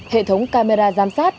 hệ thống camera giám sát